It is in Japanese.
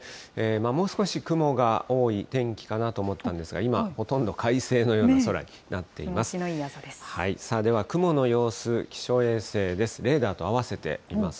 もう少し雲が多い天気かなと思ったんですが、今、ほとんど快晴のような空になっています。